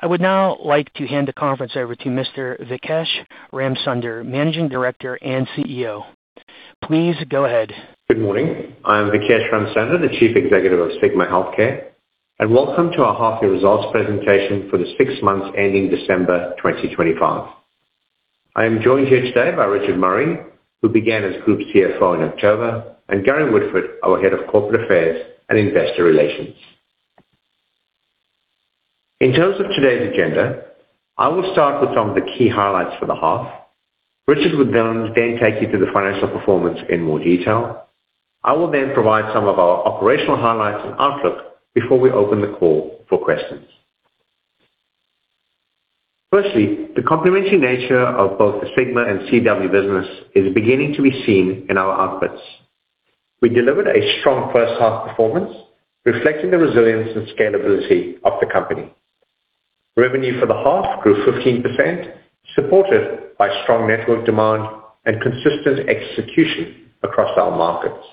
I would now like to hand the conference over to Mr. Vikesh Ramsunder, Managing Director and CEO. Please go ahead. Good morning. I am Vikesh Ramsunder, the Chief Executive of Sigma Healthcare, welcome to our half-year results presentation for the six months ending December 2025. I am joined here today by Richard Murray, who began as Group CFO in October, and Gary Woodford, our Head of Corporate Affairs and Investor Relations. In terms of today's agenda, I will start with some of the key highlights for the half. Richard will then take you through the financial performance in more detail. I will then provide some of our operational highlights and outlook before we open the call for questions. Firstly, the complementary nature of both the Sigma and CW business is beginning to be seen in our outputs. We delivered a strong first half performance, reflecting the resilience and scalability of the company. Revenue for the half grew 15%, supported by strong network demand and consistent execution across our markets.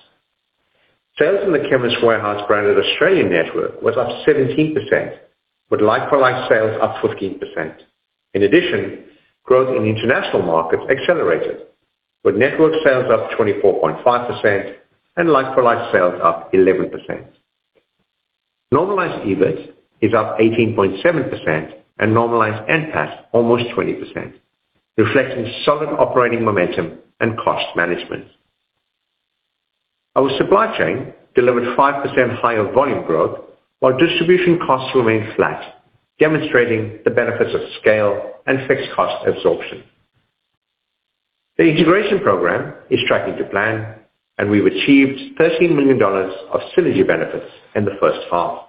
Sales in the Chemist Warehouse branded Australian network was up 17%, with like-for-like sales up 15%. In addition, growth in international markets accelerated, with network sales up 24.5% and like-for-like sales up 11%. Normalized EBIT is up 18.7% and normalized NPAT, almost 20%, reflecting solid operating momentum and cost management. Our supply chain delivered 5% higher volume growth, while distribution costs remained flat, demonstrating the benefits of scale and fixed cost absorption. The integration program is tracking to plan, and we've achieved 13 million dollars of synergy benefits in the first half.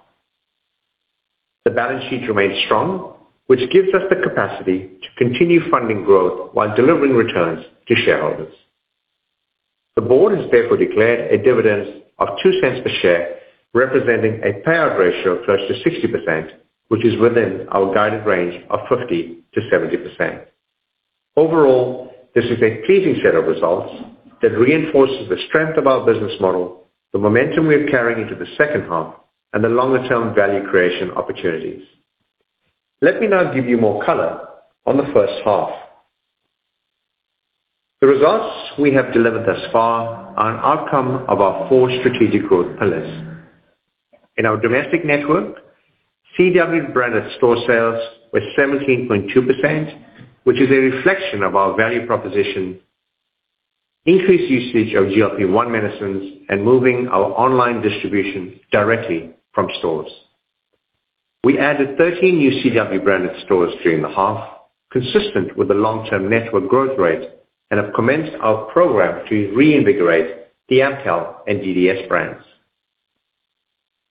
The balance sheet remains strong, which gives us the capacity to continue funding growth while delivering returns to shareholders. The board has therefore declared a dividend of 0.02 per share, representing a payout ratio close to 60%, which is within our guided range of 50%-70%. Overall, this is a pleasing set of results that reinforces the strength of our business model, the momentum we are carrying into the second half, and the longer-term value creation opportunities. Let me now give you more color on the first half. The results we have delivered thus far are an outcome of our four strategic growth pillars. In our domestic network, CW branded store sales were 17.2%, which is a reflection of our value proposition, increased usage of GLP-1 medicines, and moving our online distribution directly from store. We added 13 new CW branded stores during the half, consistent with the long-term network growth rate, and have commenced our program to reinvigorate the Amcal and DDS brands.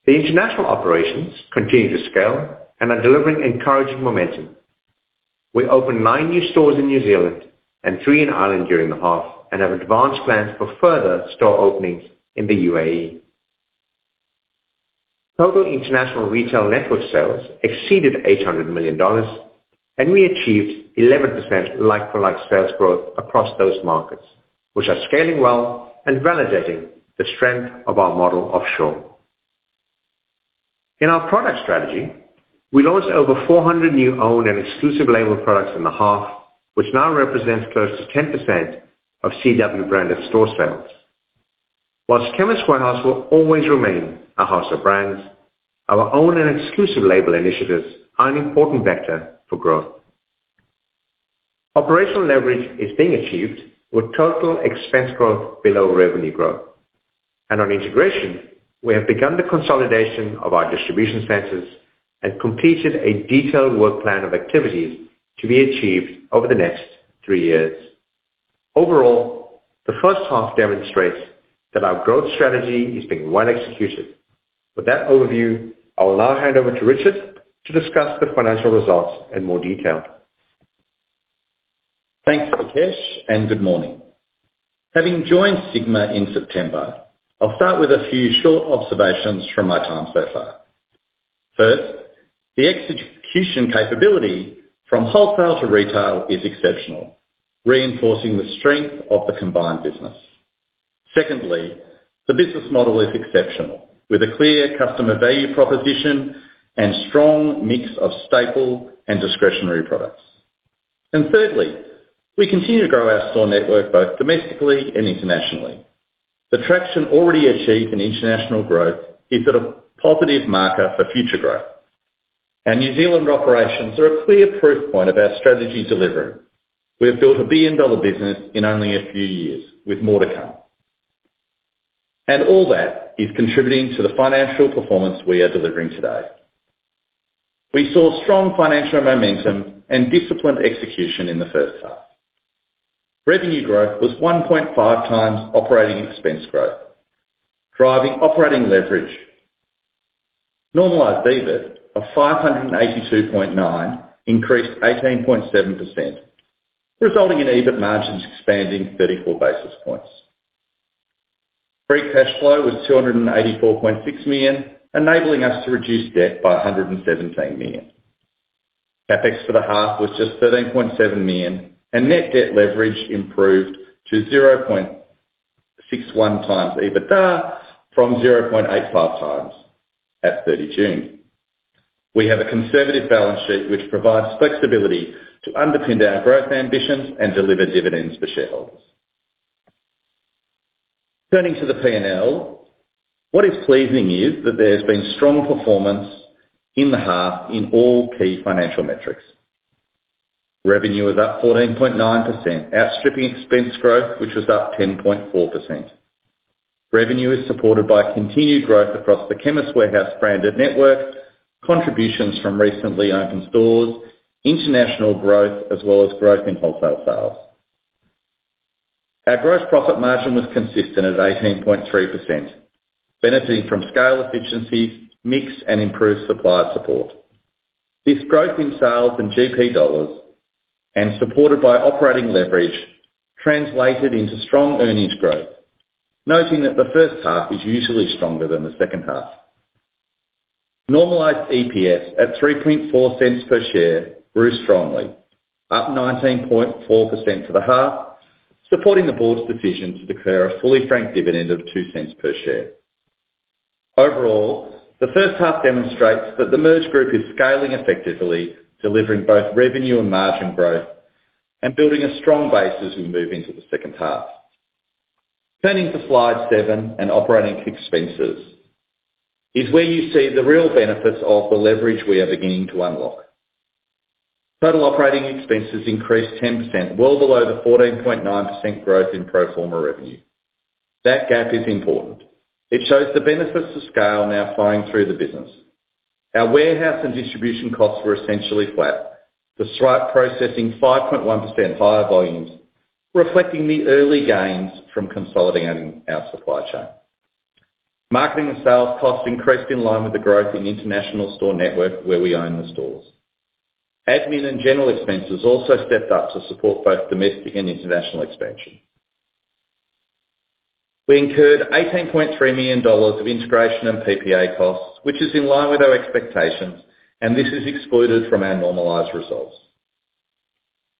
The international operations continue to scale and are delivering encouraging momentum. We opened nine new stores in New Zealand and three in Ireland during the half, and have advanced plans for further store openings in the UAE. Total international retail network sales exceeded 800 million dollars, and we achieved 11% like-for-like sales growth across those markets, which are scaling well and validating the strength of our model offshore. In our product strategy, we launched over 400 new own and exclusive label products in the half, which now represents close to 10% of CW branded store sales. Whilst Chemist Warehouse will always remain a house of brands, our own and exclusive label initiatives are an important vector for growth. Operational leverage is being achieved with total expense growth below revenue growth. On integration, we have begun the consolidation of our distribution centers and completed a detailed work plan of activities to be achieved over the next three years. Overall, the first half demonstrates that our growth strategy is being well executed. With that overview, I will now hand over to Richard to discuss the financial results in more detail. Thanks, Vikesh. Good morning. Having joined Sigma in September, I'll start with a few short observations from my time so far. First, the execution capability from wholesale to retail is exceptional, reinforcing the strength of the combined business. Secondly, the business model is exceptional, with a clear customer value proposition and strong mix of staple and discretionary products. Thirdly, we continue to grow our store network, both domestically and internationally. The traction already achieved in international growth is at a positive marker for future growth. Our New Zealand operations are a clear proof point of our strategy delivery. We have built a billion-dollar business in only a few years, with more to come. All that is contributing to the financial performance we are delivering today. We saw strong financial momentum and disciplined execution in the first half. Revenue growth was 1.5 times operating expense growth, driving operating leverage. Normalized EBIT of 582.9 increased 18.7%, resulting in EBIT margins expanding 34 basis points. Free cash flow was 284.6 million, enabling us to reduce debt by 117 million. CapEx for the half was just 13.7 million, and net debt leverage improved to 0.61 times EBITDA from 0.85 times at 30 June. We have a conservative balance sheet, which provides flexibility to underpin our growth ambitions and deliver dividends for shareholders. Turning to the P&L, what is pleasing is that there's been strong performance in the half in all key financial metrics. Revenue is up 14.9%, outstripping expense growth, which was up 10.4%. Revenue is supported by continued growth across the Chemist Warehouse branded network, contributions from recently opened stores, international growth, as well as growth in wholesale sales. Our gross profit margin was consistent at 18.3%, benefiting from scale efficiencies, mix, and improved supplier support. This growth in sales and GP dollars, supported by operating leverage, translated into strong earnings growth, noting that the first half is usually stronger than the second half. Normalized EPS at 0.034 per share grew strongly, up 19.4% for the half, supporting the board's decision to declare a fully franked dividend of 0.02 per share. Overall, the first half demonstrates that the merged group is scaling effectively, delivering both revenue and margin growth, and building a strong base as we move into the second half. Turning to Slide seven, and operating expenses, is where you see the real benefits of the leverage we are beginning to unlock. Total operating expenses increased 10%, well below the 14.9% growth in pro forma revenue. That gap is important. It shows the benefits of scale now flowing through the business. Our warehouse and distribution costs were essentially flat, despite processing 5.1% higher volumes, reflecting the early gains from consolidating our supply chain. Marketing and sales costs increased in line with the growth in international store network, where we own the stores. Admin and general expenses also stepped up to support both domestic and international expansion. We incurred 18.3 million dollars of integration and PPA costs, which is in line with our expectations. This is excluded from our normalized results.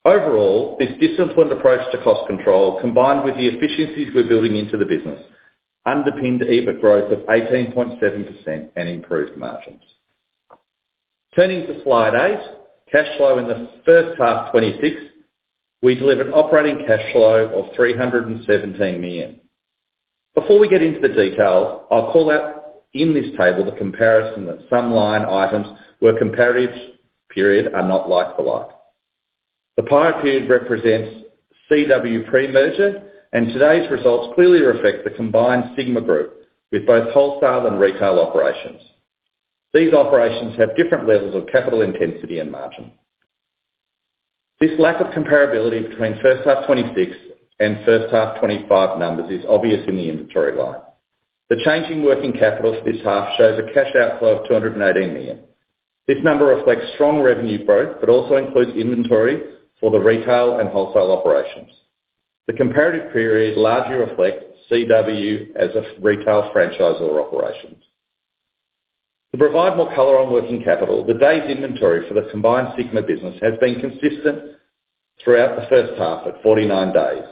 Overall, this disciplined approach to cost control, combined with the efficiencies we're building into the business, underpinned EBIT growth of 18.7% and improved margins. Turning to Slide eight, cash flow in the first half '26, we delivered operating cash flow of 317 million. Before we get into the details, I'll call out in this table the comparison that some line items where comparative period are not like-for-like. The prior period represents CW pre-merger, and today's results clearly reflect the combined Sigma Group, with both wholesale and retail operations. These operations have different levels of capital intensity and margin. This lack of comparability between first half '26 and first half '25 numbers is obvious in the inventory line. The change in working capital this half shows a cash outflow of 218 million. This number reflects strong revenue growth, but also includes inventory for the retail and wholesale operations. The comparative period largely reflects CW as a retail franchisor operations. To provide more color on working capital, the days inventory for the combined Sigma business has been consistent throughout the first half at 49 days.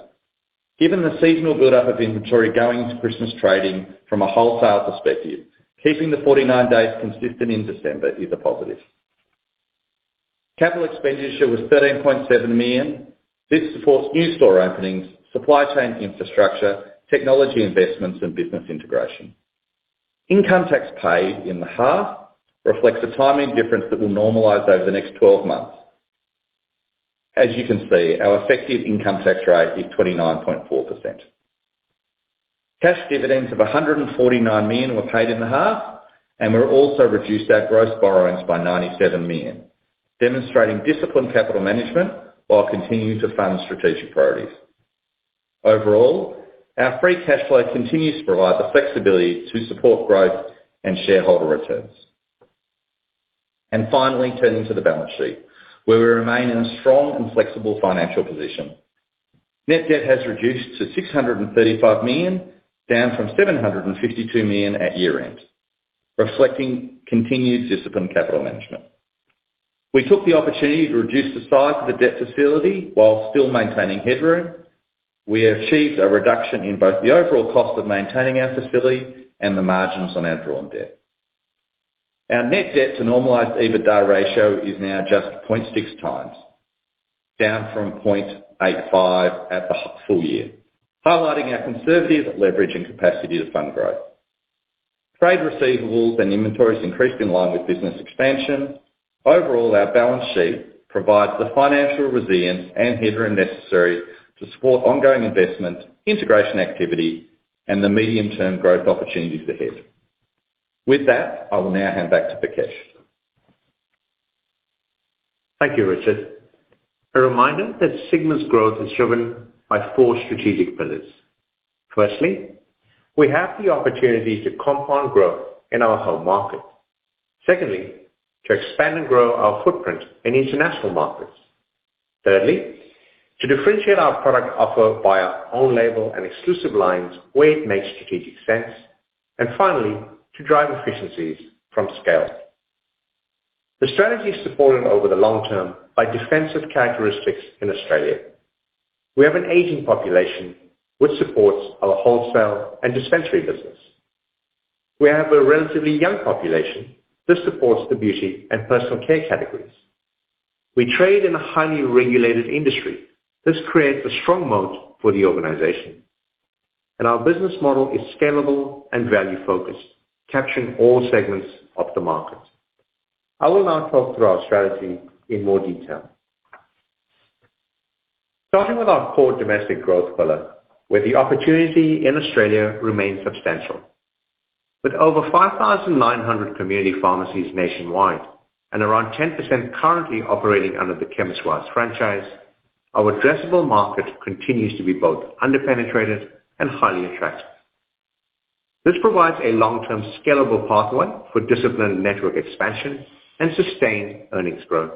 Given the seasonal buildup of inventory going into Christmas trading from a wholesale perspective, keeping the 49 days consistent in December is a positive. Capital expenditure was 13.7 million. This supports new store openings, supply chain infrastructure, technology investments, and business integration. Income tax paid in the half reflects a timing difference that will normalize over the next 12 months. As you can see, our effective income tax rate is 29.4%. Cash dividends of 149 million were paid in the half, and we also reduced our gross borrowings by 97 million, demonstrating disciplined capital management while continuing to fund strategic priorities. Overall, our free cash flow continues to provide the flexibility to support growth and shareholder returns. Finally, turning to the balance sheet, where we remain in a strong and flexible financial position. Net debt has reduced to 635 million, down from 752 million at year-end, reflecting continued disciplined capital management. We took the opportunity to reduce the size of the debt facility while still maintaining headroom. We have achieved a reduction in both the overall cost of maintaining our facility and the margins on our drawn debt. Our net debt to normalized EBITDA ratio is now just 0.6 times, down from 0.85 at the full year, highlighting our conservative leverage and capacity to fund growth. Trade receivables and inventories increased in line with business expansion. Overall, our balance sheet provides the financial resilience and headroom necessary to support ongoing investment, integration activity, and the medium-term growth opportunities ahead. With that, I will now hand back to Vikesh. Thank you, Richard. A reminder that Sigma's growth is driven by four strategic pillars. Firstly, we have the opportunity to compound growth in our home market. Secondly, to expand and grow our footprint in international markets. Thirdly, to differentiate our product offer by our own label and exclusive lines where it makes strategic sense. Finally, to drive efficiencies from scale. The strategy is supported over the long term by defensive characteristics in Australia. We have an aging population, which supports our wholesale and dispensary business. We have a relatively young population. This supports the beauty and personal care categories. We trade in a highly regulated industry. This creates a strong moat for the organization, and our business model is scalable and value-focused, capturing all segments of the market. I will now talk through our strategy in more detail. Starting with our core domestic growth pillar, where the opportunity in Australia remains substantial. With over 5,900 community pharmacies nationwide, and around 10% currently operating under the Chemist Warehouse franchise, our addressable market continues to be both under-penetrated and highly attractive. This provides a long-term scalable pathway for disciplined network expansion and sustained earnings growth.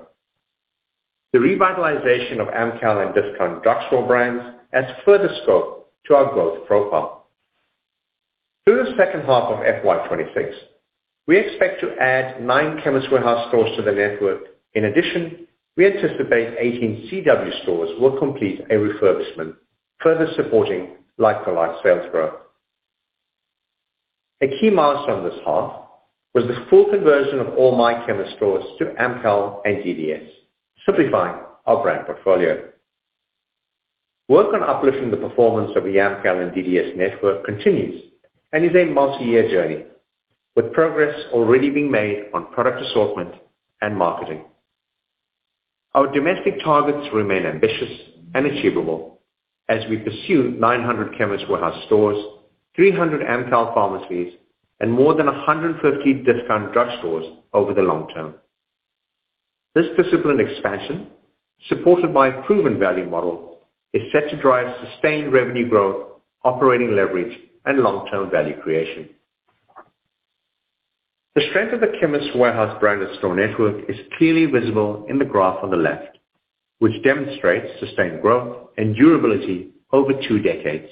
The revitalization of Amcal and Discount Drug Stores brands adds further scope to our growth profile. Through the second half of FY26, we expect to add 9 Chemist Warehouse stores to the network. We anticipate 18 CW stores will complete a refurbishment, further supporting like-for-like sales growth. A key milestone this half was the full conversion of all My Chemist stores to Amcal and DDS, simplifying our brand portfolio. Work on uplifting the performance of the Amcal and DDS network continues and is a multi-year journey, with progress already being made on product assortment and marketing. Our domestic targets remain ambitious and achievable as we pursue 900 Chemist Warehouse stores, 300 Amcal pharmacies, and more than 150 Discount Drug Stores over the long term. This disciplined expansion, supported by a proven value model, is set to drive sustained revenue growth, operating leverage, and long-term value creation. The strength of the Chemist Warehouse branded store network is clearly visible in the graph on the left, which demonstrates sustained growth and durability over two decades.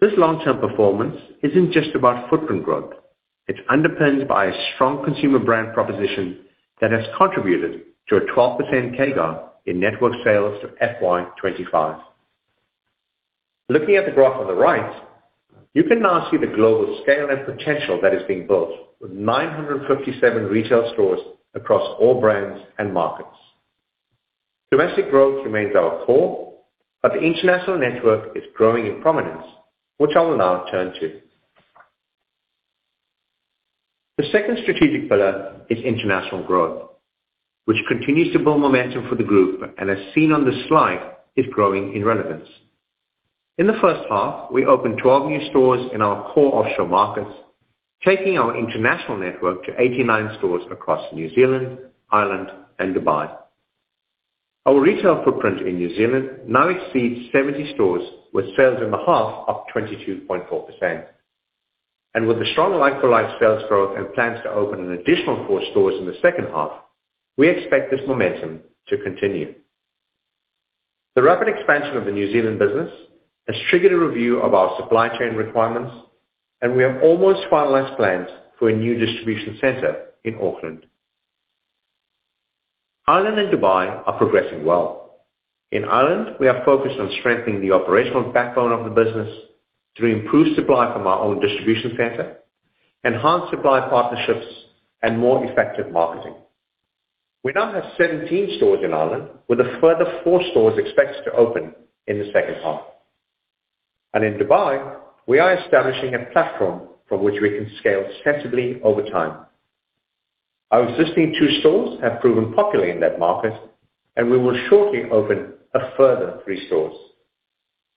This long-term performance isn't just about footprint growth, it's underpinned by a strong consumer brand proposition that has contributed to a 12% CAGR in network sales to FY25. Looking at the graph on the right, you can now see the global scale and potential that is being built with 957 retail stores across all brands and markets. Domestic growth remains our core, but the international network is growing in prominence, which I will now turn to. The second strategic pillar is international growth, which continues to build momentum for the group, and as seen on this slide, is growing in relevance. In the first half, we opened 12 new stores in our core offshore markets, taking our international network to 89 stores across New Zealand, Ireland, and Dubai. Our retail footprint in New Zealand now exceeds 70 stores, with sales in the half up 22.4%. With the strong like-for-like sales growth and plans to open an additional 4 stores in the second half, we expect this momentum to continue. The rapid expansion of the New Zealand business has triggered a review of our supply chain requirements, and we have almost finalized plans for a new distribution center in Auckland. Ireland and Dubai are progressing well. In Ireland, we are focused on strengthening the operational backbone of the business through improved supply from our own distribution center, enhanced supply partnerships, and more effective marketing. We now have 17 stores in Ireland, with a further four stores expected to open in the second half. In Dubai, we are establishing a platform from which we can scale sensibly over time. Our existing two stores have proven popular in that market, and we will shortly open a further three stores.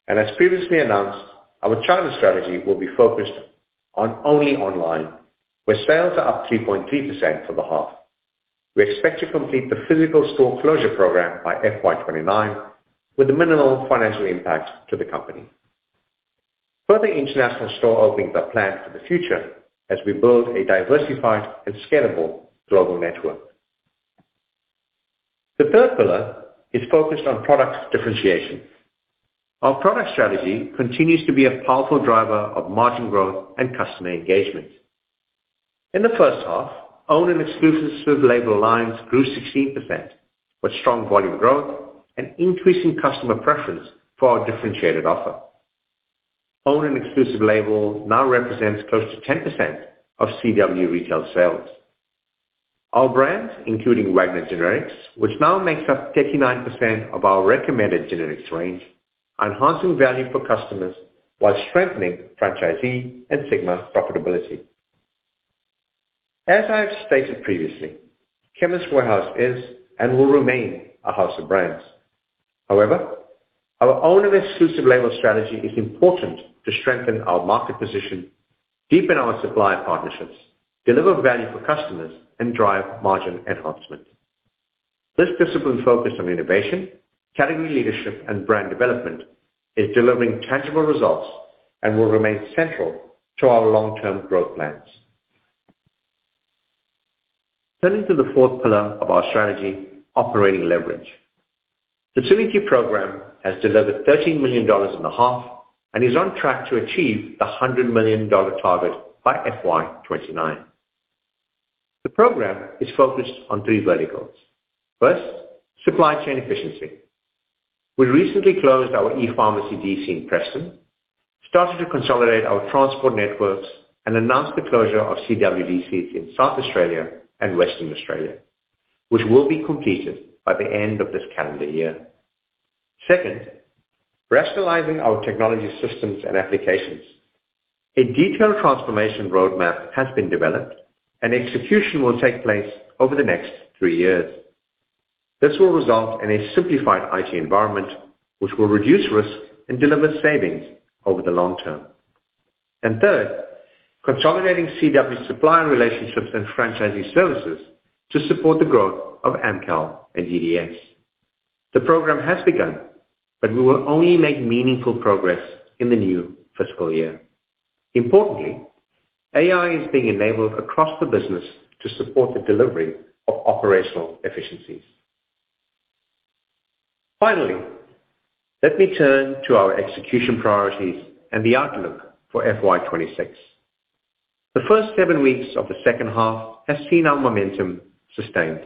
As previously announced, our China strategy will be focused on only online, where sales are up 3.3% for the half. We expect to complete the physical store closure program by FY29, with a minimal financial impact to the company. Further international store openings are planned for the future as we build a diversified and scalable global network. The third pillar is focused on product differentiation. Our product strategy continues to be a powerful driver of margin growth and customer engagement. In the first half, owned and exclusive Swift label lines grew 16%, with strong volume growth and increasing customer preference for our differentiated offer. Own and exclusive label now represents close to 10% of CW retail sales. Our brands, including Wagner Generics, which now makes up 39% of our recommended generics range, enhancing value for customers while strengthening franchisee and Sigma profitability. As I have stated previously, Chemist Warehouse is and will remain a house of brands. Our own and exclusive label strategy is important to strengthen our market position, deepen our supplier partnerships, deliver value for customers, and drive margin enhancement. This discipline focused on innovation, category leadership, and brand development is delivering tangible results and will remain central to our long-term growth plans. Turning to the fourth pillar of our strategy, operating leverage. The TuiKi program has delivered 13 million dollars in the half and is on track to achieve the 100 million dollar target by FY29. The program is focused on three verticals. First, supply chain efficiency. We recently closed our ePharmacy DC in Preston, started to consolidate our transport networks, and announced the closure of CWC in South Australia and Western Australia, which will be completed by the end of this calendar year. Second, rationalizing our technology systems and applications. A detailed transformation roadmap has been developed, and execution will take place over the next three years. This will result in a simplified IT environment, which will reduce risk and deliver savings over the long term. Third, consolidating CW supplier relationships and franchising services to support the growth of Amcal and DDS. The program has begun, but we will only make meaningful progress in the new fiscal year. Importantly, AI is being enabled across the business to support the delivery of operational efficiencies. Finally, let me turn to our execution priorities and the outlook for FY26. The first seven weeks of the second half has seen our momentum sustained.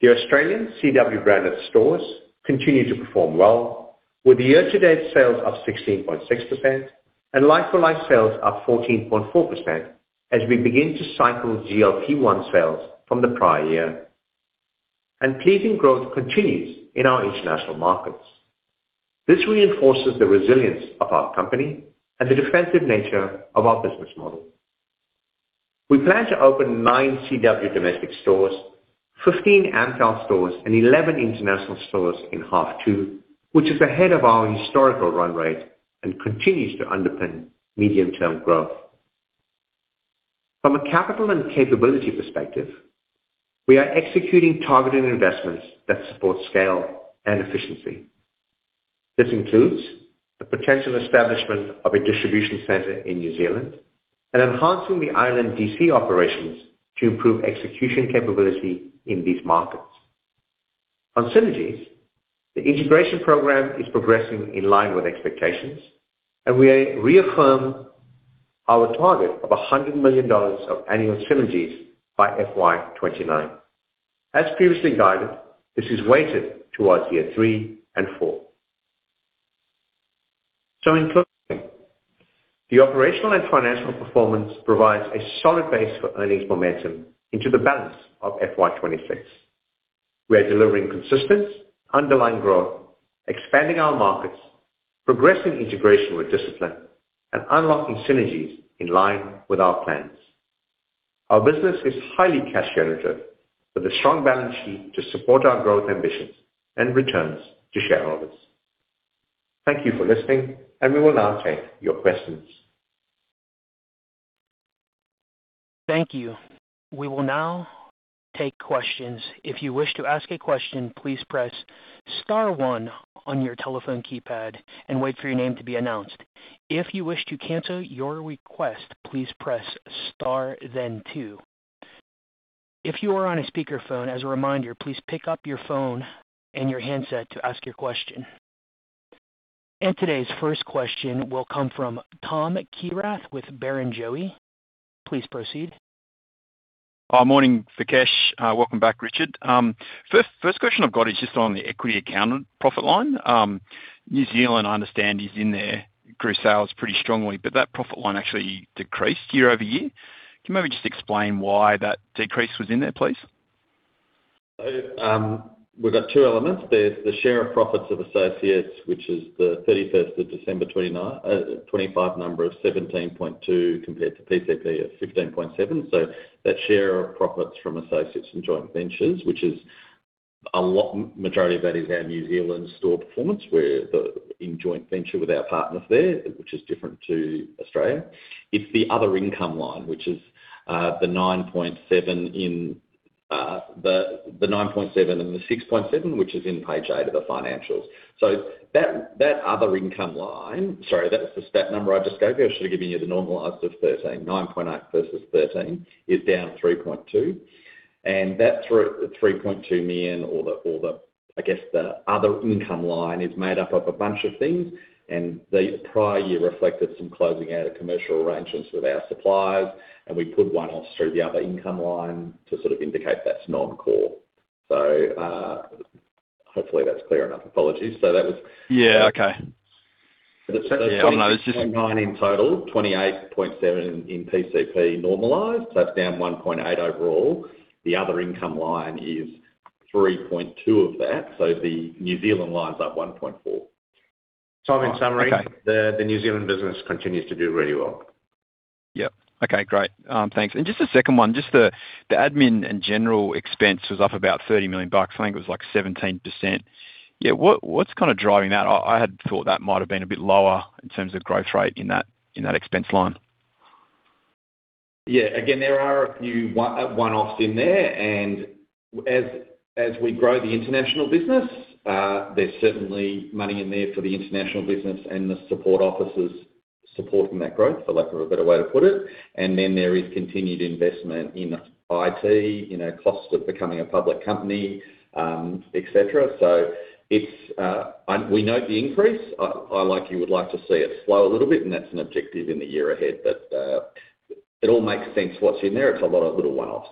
The Australian CW branded stores continue to perform well, with the year-to-date sales up 16.6% and like-for-like sales up 14.4% as we begin to cycle GLP-1 sales from the prior year. Pleasing growth continues in our international markets. This reinforces the resilience of our company and the defensive nature of our business model. We plan to open 9 CW domestic stores, 15 Amcal stores, and 11 international stores in half two, which is ahead of our historical run rate and continues to underpin medium-term growth. From a capital and capability perspective, we are executing targeted investments that support scale and efficiency. This includes the potential establishment of a distribution center in New Zealand and enhancing the Ireland DC operations to improve execution capability in these markets. On synergies, the integration program is progressing in line with expectations, and we reaffirm our target of 100 million dollars of annual synergies by FY29. As previously guided, this is weighted towards year three and four. In closing, the operational and financial performance provides a solid base for earnings momentum into the balance of FY26. We are delivering consistent underlying growth, expanding our markets, progressing integration with discipline, and unlocking synergies in line with our plans. Our business is highly cash generative, with a strong balance sheet to support our growth ambitions and returns to shareholders. Thank you for listening, and we will now take your questions. Thank you. We will now take questions. If you wish to ask a question, please press star one on your telephone keypad and wait for your name to be announced. If you wish to cancel your request, please press star, then two. If you are on a speakerphone, as a reminder, please pick up your phone and your handset to ask your question. Today's first question will come from Tom Kierath with Barrenjoey. Please proceed. Morning, Vikesh. Welcome back, Richard. First, first question I've got is just on the equity account profit line. New Zealand, I understand, is in there, grew sales pretty strongly, but that profit line actually decreased year-over-year. Can you maybe just explain why that decrease was in there, please? We've got two elements. There's the share of profits of associates, which is the 31st of December, 2025 number of 17.2, compared to PCP at 15.7. That share of profits from associates and joint ventures, which is a lot majority of that, is our New Zealand store performance, where the in joint venture with our partners there, which is different to Australia. It's the other income line, which is the 9.7 in the 9.7 and the 6.7, which is in page eight of the financials. That other income line. Sorry, that was the stat number I just gave you. I should have given you the normalized of 13, 9.8 versus 13, is down 3.2. That 3.2 million or the, I guess, the other income line is made up of a bunch of things. The prior year reflected some closing out of commercial arrangements with our suppliers. We put one-off through the other income line to sort of indicate that's non-core. Hopefully that's clear enough. Apologies. That was. Yeah. Okay. 9 in total, 28.7% in PCP normalized, that's down 1.8% overall. The other income line is 3.2% of that. The New Zealand line's up 1.4%. In summary. Okay. The New Zealand business continues to do really well. Yep. Okay, great. Thanks. Just a second one, just the admin and general expense was up about 30 million bucks. I think it was like 17%. Yeah. What's kind of driving that? I had thought that might have been a bit lower in terms of growth rate in that, in that expense line. Yeah. Again, there are a few one-offs in there, and as we grow the international business, there's certainly money in there for the international business and the support offices, supporting that growth, for lack of a better way to put it. There is continued investment in IT, you know, costs of becoming a public company, et cetera. We note the increase. I, like you, would like to see it slow a little bit, and that's an objective in the year ahead. It all makes sense what's in there. It's a lot of little one-offs.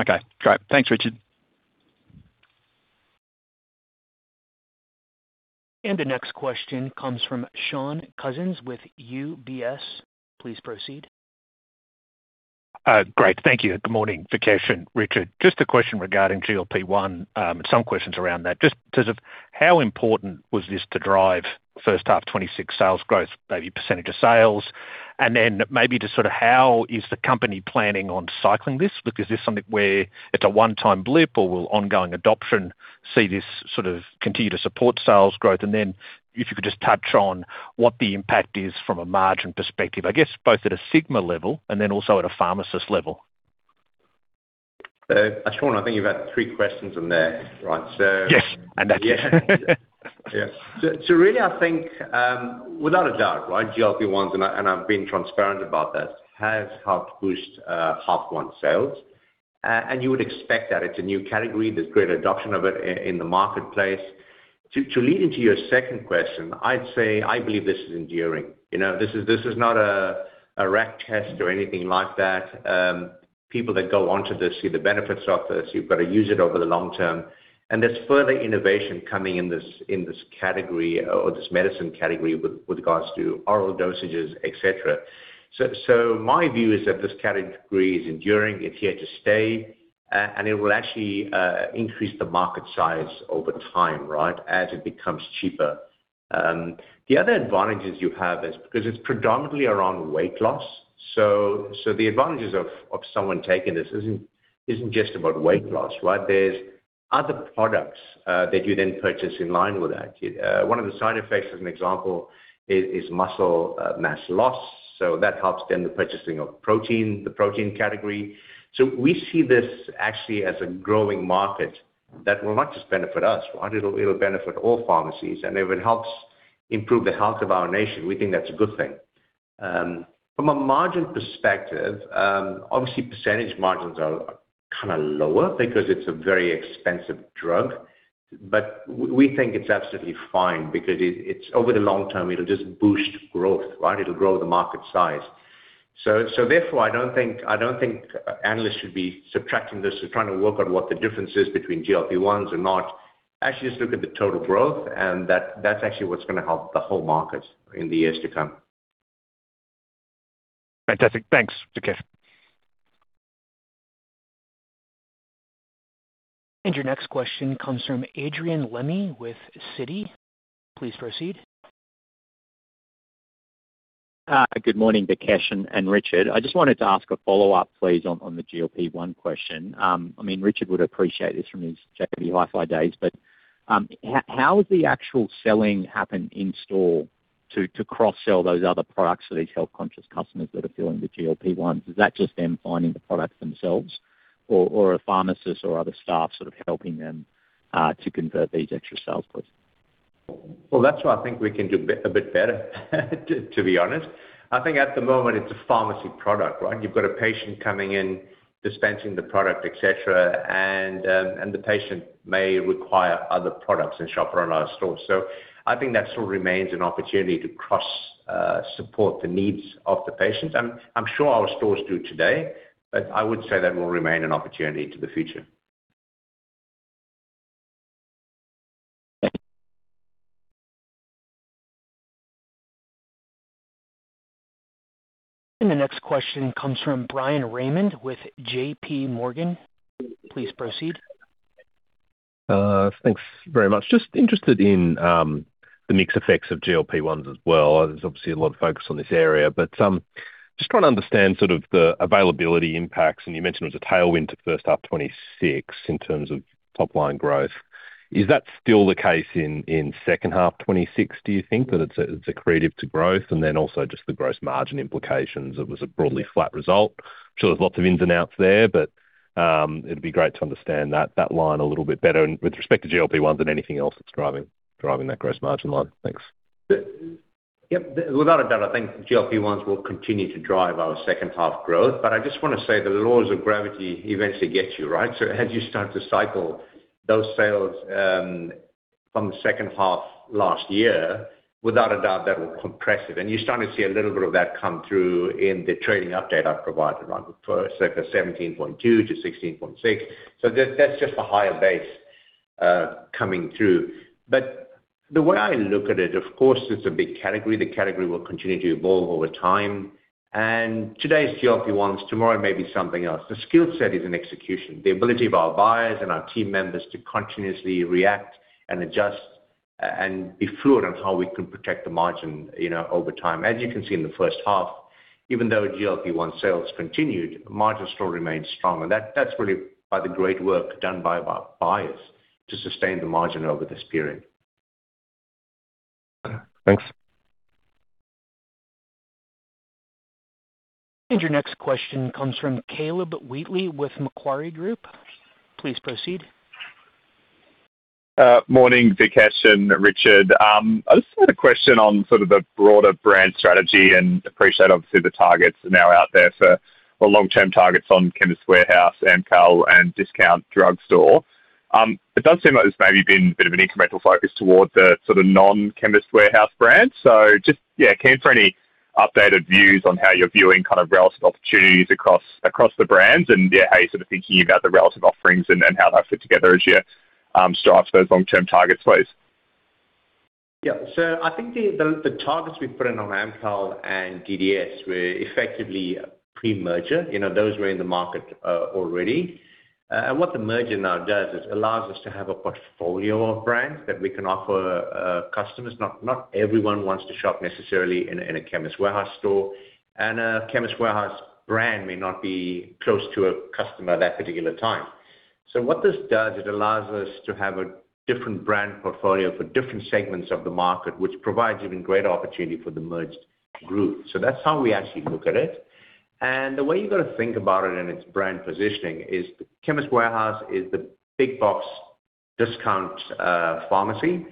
Okay, great. Thanks, Richard. The next question comes from Shaun Cousins with UBS. Please proceed. Great. Thank you. Good morning, Vikesh and Richard. Just a question regarding GLP-1, some questions around that. Just in terms of how important was this to drive first half 26 sales growth, maybe percentage of sales, and then maybe just sort of how is the company planning on cycling this? Is this something where it's a one-time blip, or will ongoing adoption see this sort of continue to support sales growth? If you could just touch on what the impact is from a margin perspective, I guess, both at a Sigma level and then also at a pharmacist level. Shaun, I think you've had three questions in there, right? Yes, I know. Yeah. Really, I think, without a doubt, right, GLP-1, and I've been transparent about this, has helped boost, half one sales. You would expect that it's a new category. There's great adoption of it in the marketplace. To lead into your second question, I'd say I believe this is enduring. You know, this is not a rack test or anything like that. People that go on to this see the benefits of this. You've got to use it over the long term, and there's further innovation coming in this category or this medicine category with regards to oral dosages, et cetera. My view is that this category is enduring, it's here to stay, and it will actually increase the market size over time, right, as it becomes cheaper. The other advantages you have is because it's predominantly around weight loss, so the advantages of someone taking this isn't just about weight loss, right? There's other products that you then purchase in line with that. One of the side effects, as an example, is muscle mass loss, so that helps then the purchasing of protein, the protein category. We see this actually as a growing market that will not just benefit us, right? It'll benefit all pharmacies, and if it helps improve the health of our nation, we think that's a good thing. From a margin perspective, obviously, percentage margins are kinda lower because it's a very expensive drug, but we think it's absolutely fine because it's over the long term, it'll just boost growth, right? It'll grow the market size. Therefore, I don't think analysts should be subtracting this or trying to work out what the difference is between GLP-1s or not. Actually, just look at the total growth, and that's actually what's gonna help the whole market in the years to come. Fantastic. Thanks, Vikesh. Your next question comes from Adrian Lemme with Citi. Please proceed. Good morning, Vikesh and Richard. I just wanted to ask a follow-up, please, on the GLP-1 question. I mean, Richard would appreciate this from his JB Hi-Fi days, but how is the actual selling happen in store to cross-sell those other products for these health-conscious customers that are filling the GLP-1s? Is that just them finding the products themselves or a pharmacist or other staff sort of helping them to convert these extra sales, please? Well, that's why I think we can do a bit better, to be honest. I think at the moment it's a pharmacy product, right? You've got a patient coming in, dispensing the product, et cetera, and the patient may require other products and shop around our stores. I think that still remains an opportunity to cross support the needs of the patients. I'm sure our stores do today, but I would say that will remain an opportunity to the future. Thank you. The next question comes from Bryan Raymond with J.P. Morgan. Please proceed. Thanks very much. Just interested in the mixed effects of GLP-1s as well. There's obviously a lot of focus on this area, but just trying to understand sort of the availability impacts. You mentioned it was a tailwind to first half 2026 in terms of top-line growth. Is that still the case in second half 2026, do you think, that it's accretive to growth? Then also just the gross margin implications. It was a broadly flat result. I'm sure there's lots of ins and outs there, but it'd be great to understand that line a little bit better and with respect to GLP-1 than anything else that's driving that gross margin line. Thanks. Yep, without a doubt, I think GLP-1s will continue to drive our second half growth. I just want to say the laws of gravity eventually get you, right? As you start to cycle those sales from the second half last year, without a doubt, that will compress it. You're starting to see a little bit of that come through in the trading update I provided on the first, 16.2% to 16.6%. That, that's just a higher base coming through. The way I look at it, of course, it's a big category. The category will continue to evolve over time, and today's GLP-1, tomorrow may be something else. The skill set is in execution, the ability of our buyers and our team members to continuously react and adjust, and be fluid on how we can protect the margin, you know, over time. You can see in the first half, even though GLP-1 sales continued, margin still remained strong, and that's really by the great work done by our buyers to sustain the margin over this period. Thanks. ... your next question comes from Caleb Wheatley with Macquarie Group. Please proceed. Morning, Vikesh and Richard. I just had a question on sort of the broader brand strategy, appreciate, obviously, the targets are now out there for the long-term targets on Chemist Warehouse, Amcal, and Discount Drug Stores. It does seem like there's maybe been a bit of an incremental focus towards the sort of non-Chemist Warehouse brand. Just, yeah, care for any updated views on how you're viewing kind of relative opportunities across the brands? How you're sort of thinking about the relative offerings and how they fit together as you start those long-term targets, please. I think the, the targets we've put in on Amcal and DDS were effectively pre-merger. You know, those were in the market already. What the merger now does is allows us to have a portfolio of brands that we can offer customers. Not everyone wants to shop necessarily in a, in a Chemist Warehouse store, and a Chemist Warehouse brand may not be close to a customer at that particular time. What this does, it allows us to have a different brand portfolio for different segments of the market, which provides even greater opportunity for the merged group. That's how we actually look at it. The way you've got to think about it in its brand positioning is Chemist Warehouse is the big box discount pharmacy.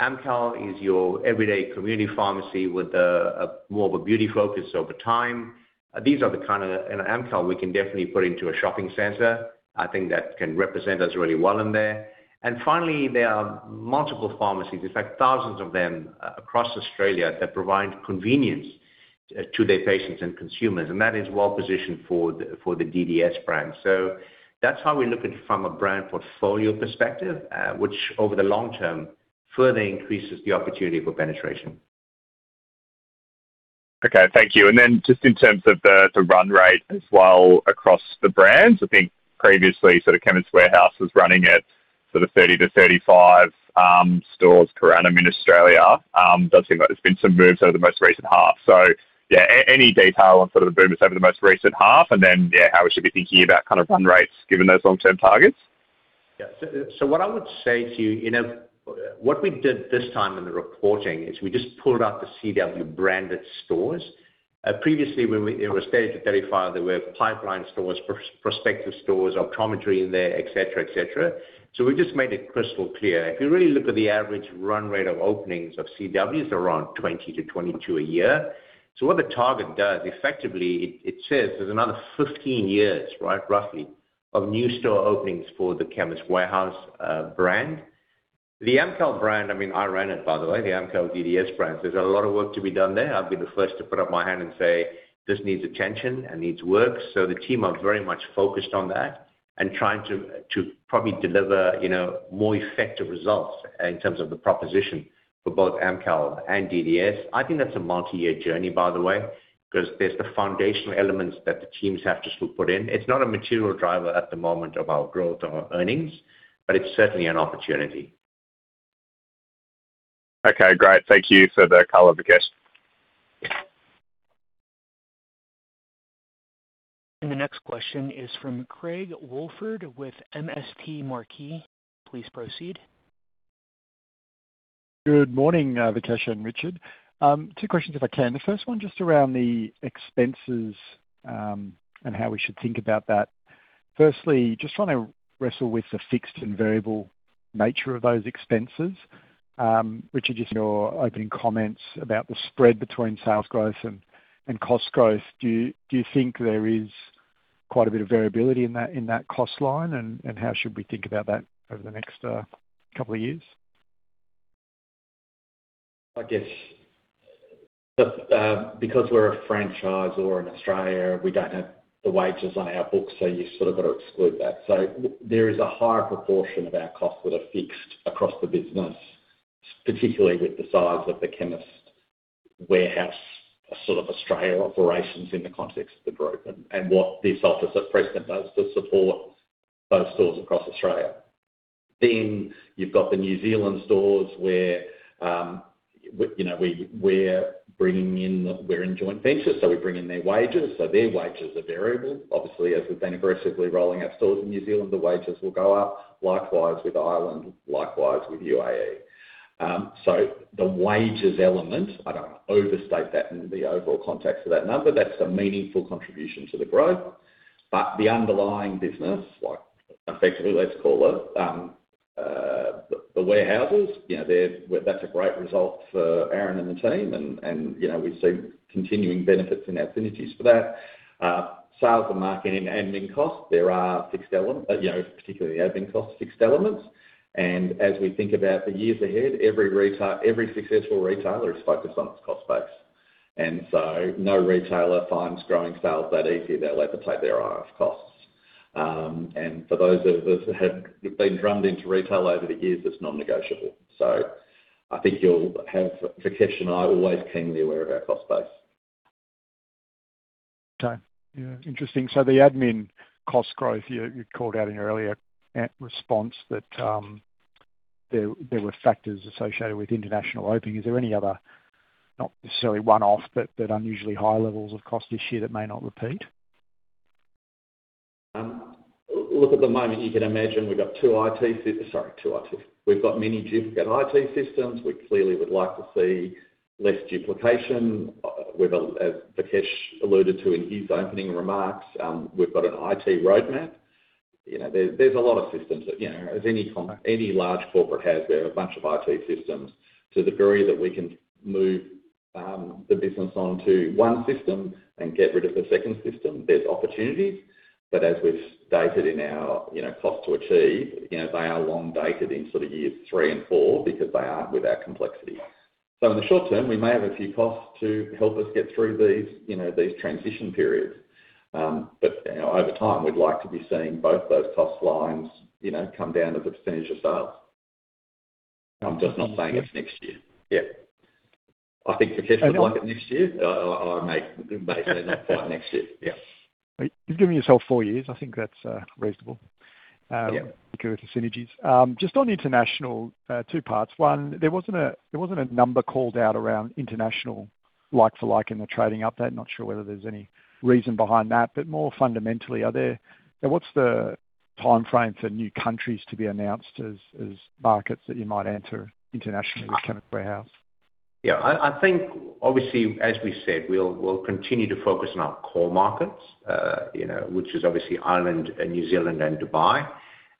Amcal is your everyday community pharmacy with more of a beauty focus over time. In Amcal, we can definitely put into a shopping center. I think that can represent us really well in there. Finally, there are multiple pharmacies, in fact, thousands of them across Australia, that provide convenience to their patients and consumers, and that is well positioned for the DDS brand. That's how we look at it from a brand portfolio perspective, which over the long term, further increases the opportunity for penetration. Okay, thank you. Just in terms of the run rate as well across the brands, I think previously, sort of Chemist Warehouse was running at sort of 30-35 stores per annum in Australia. Does seem like there's been some moves over the most recent half. Yeah, any detail on sort of the movements over the most recent half, and then, yeah, how we should be thinking about kind of run rates given those long-term targets? What I would say to you know, what we did this time in the reporting is we just pulled out the CW-branded stores. Previously, when it was 30-35, there were pipeline stores, prospective stores, optometry in there, et cetera, et cetera. We just made it crystal clear. If you really look at the average run rate of openings of CWs, around 20-22 a year. What the target does, effectively, it says there's another 15 years, right, roughly, of new store openings for the Chemist Warehouse brand. The Amcal brand, I mean, I ran it, by the way, the Amcal DDS brand. There's a lot of work to be done there. I'll be the first to put up my hand and say, this needs attention and needs work. The team are very much focused on that and trying to probably deliver, you know, more effective results in terms of the proposition for both Amcal and DDS. I think that's a multi-year journey, by the way, 'cause there's the foundational elements that the teams have to still put in. It's not a material driver at the moment of our growth or our earnings, but it's certainly an opportunity. Okay, great. Thank you for the color, Vikesh. The next question is from Craig Woolford with MST Marquee. Please proceed. Good morning, Vikesh and Richard. Two questions, if I can. The first one, just around the expenses, and how we should think about that. Firstly, just want to wrestle with the fixed and variable nature of those expenses. Richard, just your opening comments about the spread between sales growth and cost growth. Do you think there is quite a bit of variability in that cost line? How should we think about that over the next couple of years? I guess, because we're a franchisor in Australia, we don't have the wages on our books, so you sort of got to exclude that. There is a higher proportion of our costs that are fixed across the business, particularly with the size of the Chemist Warehouse, sort of Australia operations in the context of the group and what this office at Preston does to support those stores across Australia. You've got the New Zealand stores where, you know, we're in joint ventures, so we bring in their wages, so their wages are variable. Obviously, as we've been aggressively rolling out stores in New Zealand, the wages will go up. Likewise, with Ireland, likewise with UAE. The wages element, I don't overstate that in the overall context of that number. That's a meaningful contribution to the growth. The underlying business, like effectively, let's call it, the warehouses, you know, that's a great result for Aaron and the team, and, you know, we see continuing benefits in our synergies for that. Sales and marketing and admin costs, there are fixed elements, you know, particularly admin costs, fixed elements. As we think about the years ahead, every successful retailer is focused on its cost base. No retailer finds growing sales that easy, they'll have to take their eye off costs. And for those of us who have been drummed into retail over the years, it's non-negotiable. Vikesh and I are always keenly aware of our cost base. Okay. Yeah, interesting. The admin cost growth, you called out in your earlier response that there were factors associated with international opening. Is there any other, not necessarily one-off, but unusually high levels of cost this year that may not repeat? Look, at the moment, you can imagine we've got two IT systems. We've got many duplicate IT systems. We clearly would like to see less duplication. As Vikesh alluded to in his opening remarks, we've got an IT roadmap. You know, there's a lot of systems that, you know, as any large corporate has, there are a bunch of IT systems. To the degree that we can move the business onto one system and get rid of the second system, there's opportunities. As we've stated in our, you know, cost to achieve, you know, they are long dated in sort of years three and four because they are with our complexity. In the short term, we may have a few costs to help us get through these, you know, these transition periods. You know, over time, we'd like to be seeing both those cost lines, you know, come down as a percentage of sales. I'm just not saying it's next year. Yeah. I think Vikesh would like it next year. I make that point next year. Yeah. You've given yourself four years. I think that's reasonable. Yeah. because the synergies. Just on international, two parts. One, there wasn't a number called out around international like-for-like in the trading update. Not sure whether there's any reason behind that. More fundamentally, what's the timeframe for new countries to be announced as markets that you might enter internationally as Chemist Warehouse? I think obviously, as we said, we'll continue to focus on our core markets, you know, which is obviously Ireland and New Zealand and Dubai.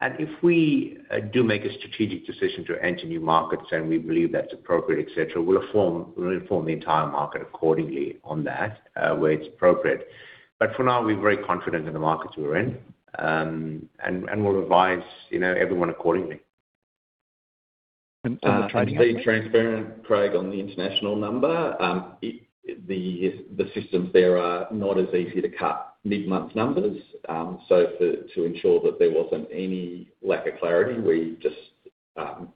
If we do make a strategic decision to enter new markets, and we believe that's appropriate, et cetera, we'll inform the entire market accordingly on that, where it's appropriate. For now, we're very confident in the markets we're in, and we'll advise, you know, everyone accordingly. On the trading update? Being transparent, Craig, on the international number, the systems there are not as easy to cut mid-month numbers. To ensure that there wasn't any lack of clarity, we just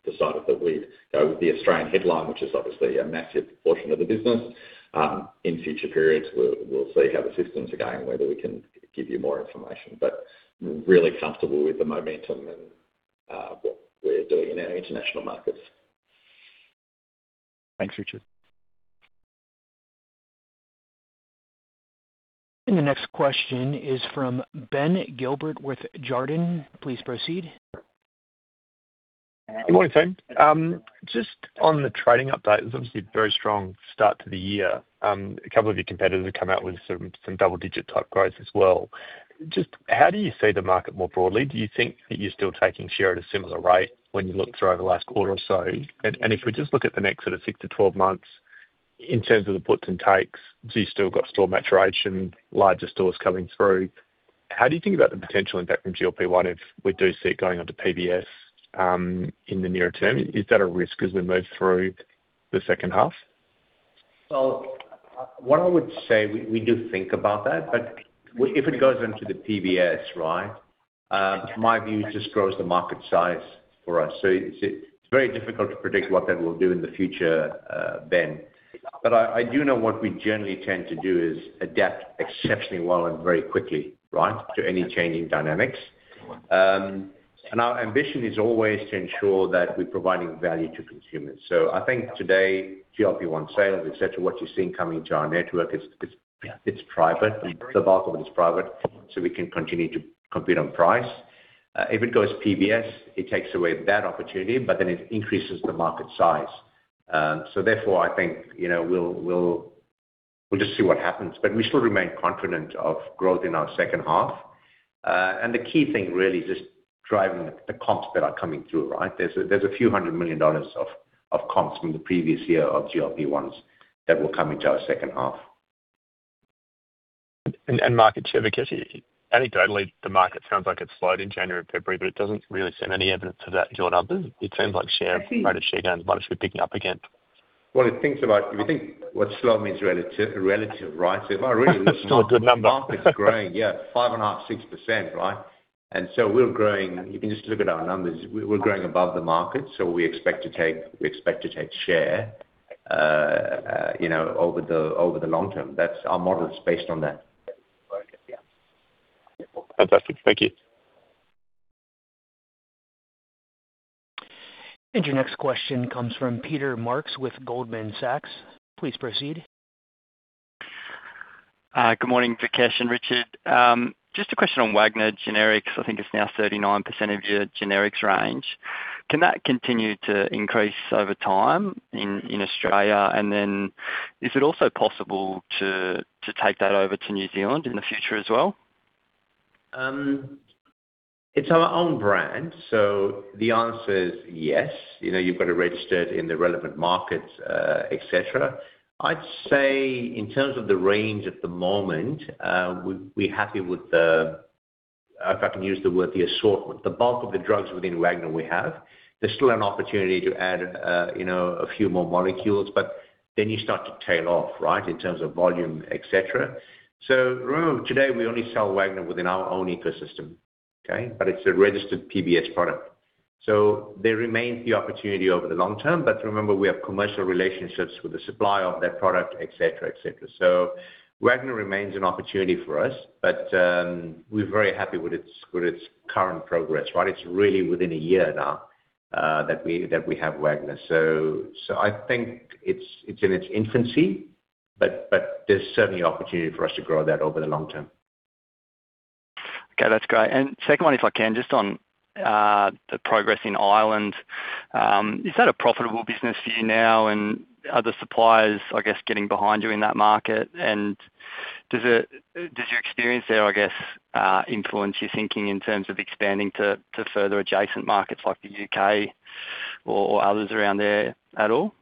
decided that we'd go with the Australian headline, which is obviously a massive portion of the business. In future periods, we'll see how the systems are going, whether we can give you more information, but really comfortable with the momentum and what we're doing in our international markets. Thanks, Richard. The next question is from Ben Gilbert with Jarden. Please proceed. Good morning, team. Just on the trading update, it was obviously a very strong start to the year. A couple of your competitors have come out with some double-digit type growth as well. Just how do you see the market more broadly? Do you think that you're still taking share at a similar rate when you look through over the last quarter or so? If we just look at the next sort of six to 12 months, in terms of the puts and takes, so you've still got store maturation, larger stores coming through. How do you think about the potential impact from GLP-1 if we do see it going onto PBS in the near term? Is that a risk as we move through the second half? What I would say, we do think about that, but if it goes into the PBS, right, my view, it just grows the market size for us. It's very difficult to predict what that will do in the future, Ben. I do know what we generally tend to do is adapt exceptionally well and very quickly, right, to any changing dynamics. Our ambition is always to ensure that we're providing value to consumers. I think today, GLP-1 sales, et cetera, what you're seeing coming into our network, it's private. The bulk of it is private, so we can continue to compete on price. If it goes PBS, it takes away that opportunity, but then it increases the market size. I think, you know, we'll just see what happens, but we still remain confident of growth in our second half. The key thing really is just driving the comps that are coming through, right? There's a few hundred million dollars of comps from the previous year of GLP-1s that will come into our second half. Market share, because anecdotally, the market sounds like it slowed in January and February, but it doesn't really send any evidence of that to your numbers. It seems like share, rate of share gains might actually be picking up again. Well, it thinks if you think what slow means relative, right? It's still a good number. The market is growing, yeah, 5.5%, 6%, right? We're growing. You can just look at our numbers. We're growing above the market, so we expect to take share, you know, over the long term. That's our model is based on that. Fantastic. Thank you. Your next question comes from Peter Marks with Goldman Sachs. Please proceed. Good morning, Vikesh and Richard. Just a question on Wagner generics. I think it's now 39% of your generics range. Can that continue to increase over time in Australia? Is it also possible to take that over to New Zealand in the future as well? It's our own brand, so the answer is yes. You know, you've got to register it in the relevant markets, et cetera. I'd say in terms of the range at the moment, we're happy with the, if I can use the word, the assortment, the bulk of the drugs within Wagner we have. There's still an opportunity to add, you know, a few more molecules, but then you start to tail off, right, in terms of volume, et cetera. Remember, today, we only sell Wagner within our own ecosystem, okay? It's a registered PBS product, so there remains the opportunity over the long term. Remember, we have commercial relationships with the supplier of that product, et cetera, et cetera. Wagner remains an opportunity for us, but, we're very happy with its current progress, right? It's really within a year now, that we have Wagner. I think it's in its infancy. There's certainly opportunity for us to grow that over the long term. Okay, that's great. Second one, if I can, just on the progress in Ireland, is that a profitable business for you now? Are the suppliers, I guess, getting behind you in that market? Does your experience there, I guess, influence your thinking in terms of expanding to further adjacent markets like the UK or others around there at all?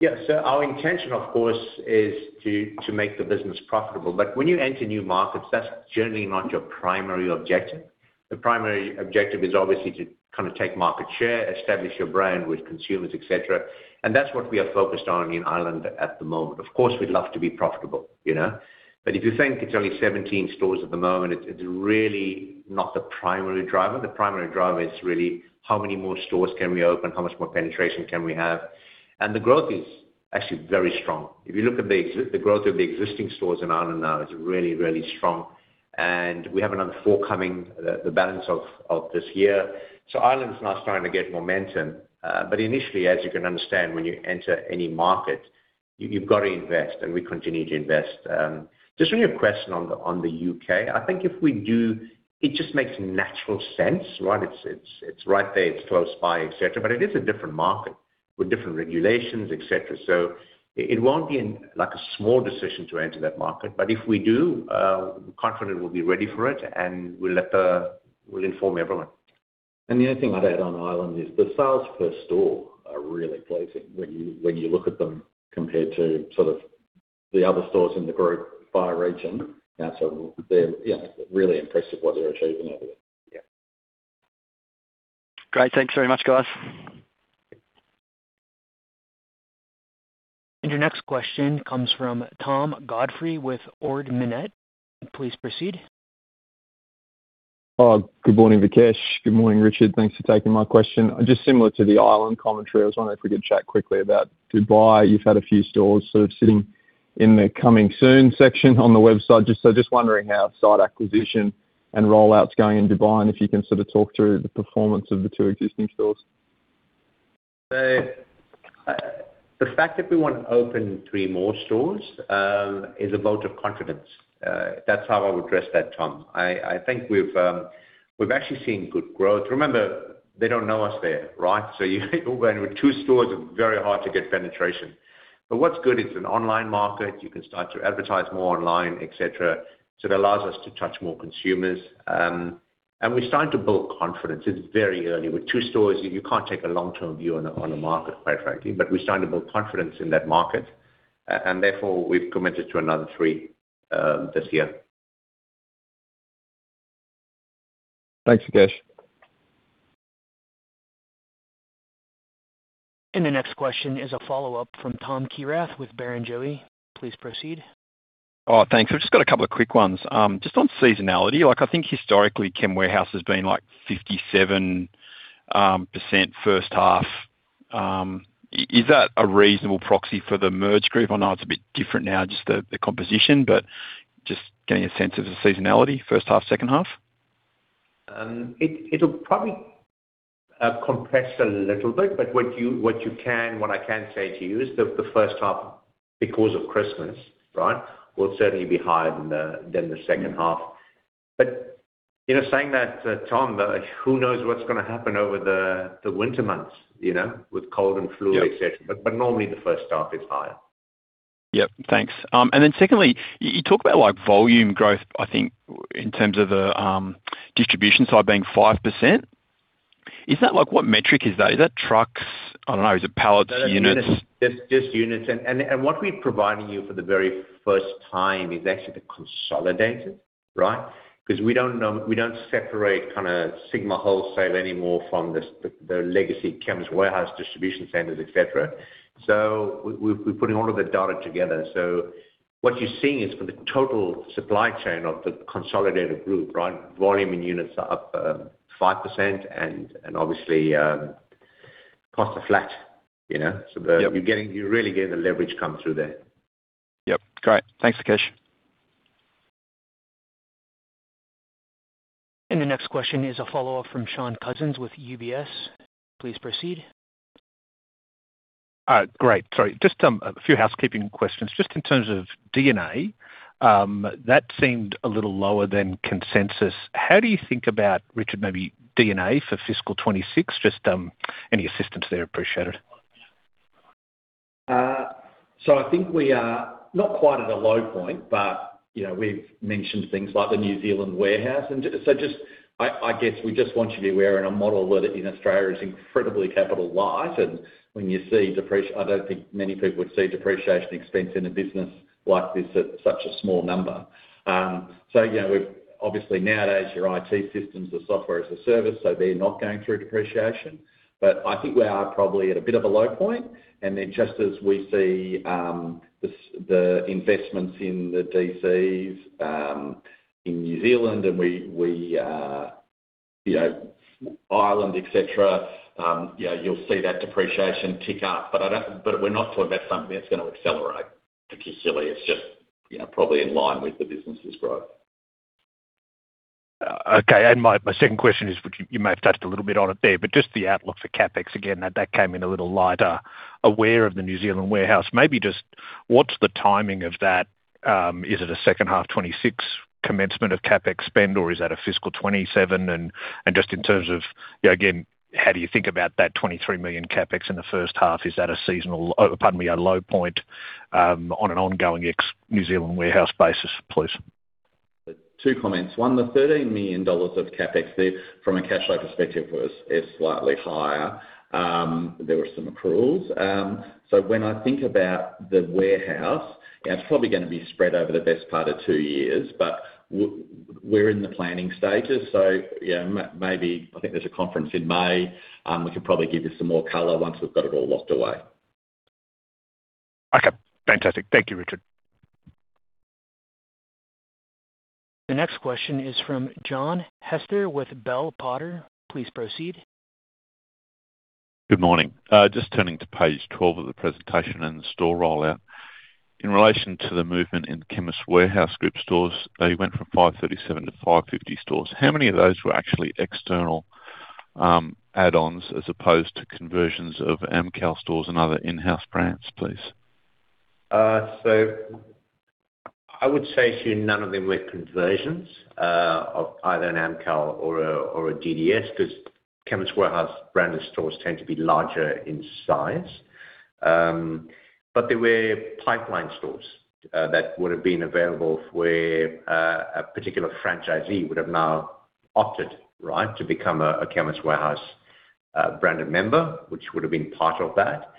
Yes. Our intention, of course, is to make the business profitable, but when you enter new markets, that's generally not your primary objective. The primary objective is obviously to kind of take market share, establish your brand with consumers, et cetera, and that's what we are focused on in Ireland at the moment. Of course, we'd love to be profitable, you know, but if you think it's only 17 stores at the moment, it's really not the primary driver. The primary driver is really how many more stores can we open? How much more penetration can we have? The growth is actually very strong. If you look at the growth of the existing stores in Ireland now, is really, really strong, and we have another four coming, the balance of this year. Ireland's now starting to get momentum, but initially, as you can understand, when you enter any market, you've got to invest, and we continue to invest. Just on your question on the UK, I think if we do, it just makes natural sense, right? It's right there, it's close by, et cetera, but it is a different market with different regulations, et cetera. It won't be in like a small decision to enter that market. If we do, we're confident we'll be ready for it, and we'll inform everyone. The only thing I'd add on Ireland is the sales per store are really pleasing when you, when you look at them compared to sort of the other stores in the group by region. They're, you know, really impressive what they're achieving over there. Yeah. Great. Thanks very much, guys. Your next question comes from Tom Godfrey with Ord Minnett. Please proceed. Good morning, Vikesh. Good morning, Richard. Thanks for taking my question. Just similar to the Ireland commentary, I was wondering if we could chat quickly about Dubai. You've had a few stores sort of sitting in the Coming Soon section on the website. Just wondering how site acquisition and rollout's going in Dubai, and if you can sort of talk through the performance of the two existing stores. The fact that we want to open three more stores is a vote of confidence. That's how I would address that, Tom. I think we've actually seen good growth. Remember, they don't know us there, right? When with two stores, it's very hard to get penetration. What's good, it's an online market. You can start to advertise more online, et cetera, so it allows us to touch more consumers. We're starting to build confidence. It's very early. With two stores, you can't take a long-term view on a market, quite frankly, but we're starting to build confidence in that market, and therefore we've committed to another three this year. Thanks, Vikesh. The next question is a follow-up from Tom Kierath with Barrenjoey. Please proceed. Thanks. I've just got a couple of quick ones. Just on seasonality, like, I think historically, Chemist Warehouse has been, like, 57% first half. Is that a reasonable proxy for the merged group? I know it's a bit different now, just the composition, but just getting a sense of the seasonality, first half, second half. It'll probably compress a little bit, but what I can say to you is the first half, because of Christmas, right, will certainly be higher than the second half. You know, saying that, Tom, though, who knows what's gonna happen over the winter months, you know, with cold and flu, et cetera. Yep. Normally the first half is higher. Yep. Thanks. Secondly, you talk about, like, volume growth, in terms of the distribution side being 5%. Is that like... What metric is that? Is that trucks? I don't know. Is it pallets, units? Just units. What we're providing you for the very first time is actually the consolidated, right? Because we don't separate kinda Sigma Wholesale anymore from the legacy Chemist Warehouse distribution centers, et cetera. We're putting all of the data together. What you're seeing is for the total supply chain of the consolidated group, right? Volume in units are up 5% and obviously costs are flat, you know? Yep. You're really getting the leverage come through there. Yep. Great. Thanks, Vikesh. The next question is a follow-up from Shaun Cousins with UBS. Please proceed. Great. Sorry, just a few housekeeping questions. Just in terms of DNA, that seemed a little lower than consensus. How do you think about, Richard, maybe DNA for fiscal 26? Just any assistance there, appreciated. I think we are not quite at a low point, you know, we've mentioned things like the New Zealand warehouse. I guess we just want you to be aware, in a model that in Australia is incredibly capital light, and when you see I don't think many people would see depreciation expense in a business like this at such a small number. You know, we've obviously nowadays, your IT systems are software as a service, so they're not going through depreciation. I think we are probably at a bit of a low point, and then just as we see the investments in the DCs, in New Zealand, and we, you know, Ireland, et cetera, you know, you'll see that depreciation tick up. We're not talking about something that's gonna accelerate particularly. It's just, you know, probably in line with the business's growth. Okay, my second question is, which you may have touched a little bit on it there, but just the outlook for CapEx again, that came in a little lighter. Aware of the New Zealand warehouse. Maybe just what's the timing of that? Is it a second half FY26 commencement of CapEx spend, or is that a fiscal FY27? Just in terms of, you know, again, how do you think about that 23 million CapEx in the first half? Is that a seasonal, pardon me, a low point, on an ongoing ex New Zealand warehouse basis, please? Two comments. One, the 13 million dollars of CapEx there, from a cash flow perspective, is slightly higher. There were some accruals. When I think about the warehouse, it's probably gonna be spread over the best part of two years, we're in the planning stages, yeah, maybe I think there's a conference in May. We could probably give you some more color once we've got it all locked away. Okay. Fantastic. Thank you, Richard. The next question is from John Hester with Bell Potter. Please proceed. Good morning. Just turning to page 12 of the presentation and the store rollout. In relation to the movement in Chemist Warehouse Group stores, you went from 537 to 550 stores. How many of those were actually external add-ons as opposed to conversions of Amcal stores and other in-house brands, please? I would say to you, none of them were conversions of either an Amcal or a DDS, 'cause Chemist Warehouse branded stores tend to be larger in size. There were pipeline stores that would have been available where a particular franchisee would have now opted, right, to become a Chemist Warehouse branded member, which would have been part of that.